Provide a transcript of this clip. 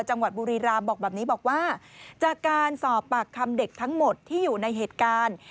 จังหวัดบุรีรามบอกแบบนี้บอกว่าจากการสอบปากคำเด็กทั้งหมดที่อยู่ในเหตุการณ์